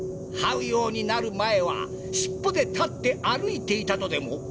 はうようになる前は尻尾で立って歩いていたとでも？